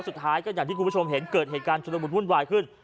สุดท้ายก็อย่างที่คุณผู้ชมเห็นเกิดเหตุการณ์ชุดละมุนวุ่นวายขึ้น